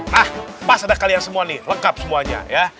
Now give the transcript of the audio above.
nah pas ada kalian semua nih lengkap semuanya ya